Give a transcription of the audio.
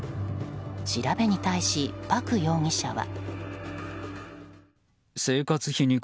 調べに対し、パク容疑者は。